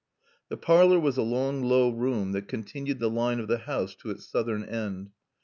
The parlor was a long low room that continued the line of the house to its southern end.